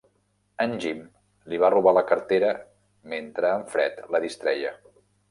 En Jim li va robar la cartera mentre en Fred la distreia.